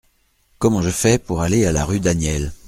Comment je fais pour aller à la rue Daniel ?